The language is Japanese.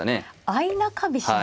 相中飛車に。